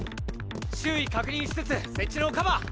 周囲確認しつつ設置のカバー！